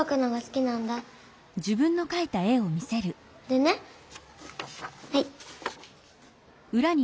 でねはい。